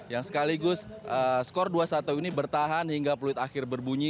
yang sekaligus skor dua satu ini bertahan hingga peluit akhir berbunyi